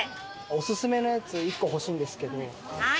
オススメのやつ１個欲しいんですけど。